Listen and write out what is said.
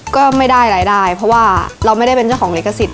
ก็ไม่ได้รายได้เพราะว่าเราไม่ได้เป็นเจ้าของลิขสิทธ